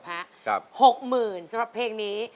๖๐๐๐สำหรับเพลงนี้